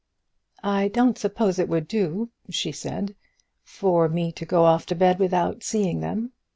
"I suppose it wouldn't do," she said, "for me to go off to bed without seeing them."